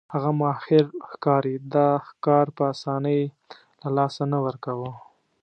هغه ماهر ښکاري دا ښکار په اسانۍ له لاسه نه ورکاوه.